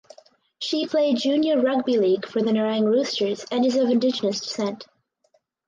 She played junior rugby league for the Nerang Roosters and is of Indigenous descent.